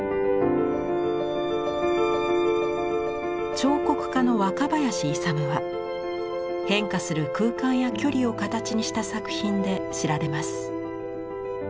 彫刻家の若林奮は変化する空間や距離を形にした作品で知られます。